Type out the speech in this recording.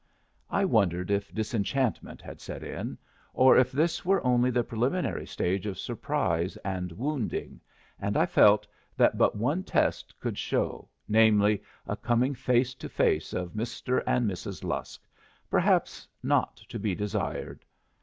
I wondered if disenchantment had set in, or if this were only the preliminary stage of surprise and wounding, and I felt that but one test could show, namely, a coming face to face of Mr. and Mrs. Lusk, perhaps not to be desired.